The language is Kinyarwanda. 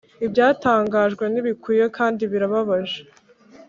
ibyatangajwe ntibikwiye kandi birababaje,